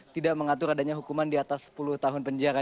tidak mengatur adanya hukuman di atas sepuluh tahun penjara